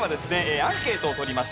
アンケートを取りました。